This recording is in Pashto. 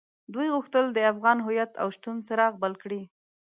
دوی غوښتل د افغان هويت او شتون څراغ بل کړي.